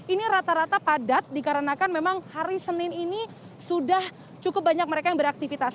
ini rata rata padat dikarenakan memang hari senin ini sudah cukup banyak mereka yang beraktivitas